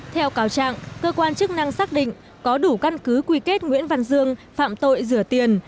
theo cáo trạng cơ quan chức năng xác định có đủ căn cứ quy kết nguyễn văn dương phạm tội rửa tiền